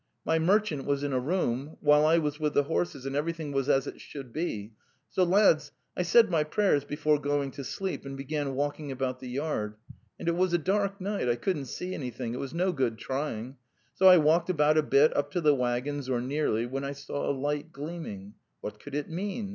My merchant was in a room, while I was with the horses, and everything was as it should be. So, lads, I said my prayers before going to sleep and began walking about the yard. And it was a dark night, I couldn't see anything; it was no good trying. So I walked about a bit up to the waggons, or nearly, when I saw a light gleaming. What could it mean?